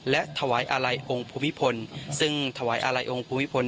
และถวายอาลัยองค์ภูมิพลซึ่งถวายอาลัยองค์ภูมิพล